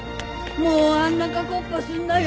もうあんなかこっばすんなよ。